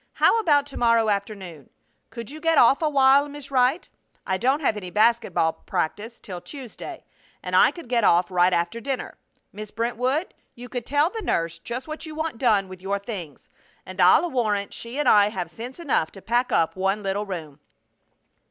How about to morrow afternoon? Could you get off awhile, Miss Wright? I don't have any basket ball practice till Tuesday, and I could get off right after dinner. Miss Brentwood, you could tell the nurse just what you want done with your things, and I'll warrant she and I have sense enough to pack up one little room."